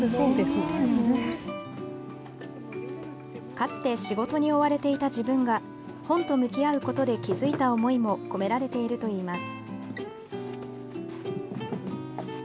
かつて仕事に追われていた自分が本と向き合うことで気づいた思いも込められているといいます。